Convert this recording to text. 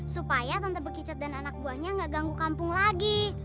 supaya tante bekica dan anak buahnya gak ganggu kampung lagi